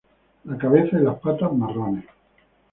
La cabeza y las patas marrones.